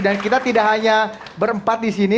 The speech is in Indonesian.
dan kita tidak hanya berempat disini